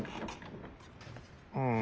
うん。